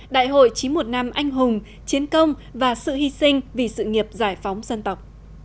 đại hội chín trăm một mươi năm anh hùng chiến công và sự hy sinh vì sự nghiệp giải phóng dân tộc